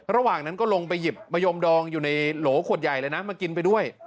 ระหว่างนั้นก็ลงไปหยิบมะยมดองอยู่ในโหลขวดใหญ่เลยนะมากินไปด้วย